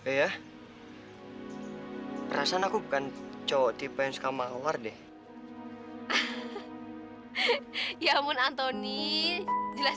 halang ber lima ribu senit saja coba hain emang sampai seram